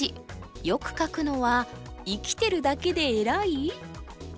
よく書くのは「生きてるだけでえらい」？